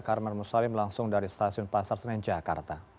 karmel musalim langsung dari stasiun pasar senen jakarta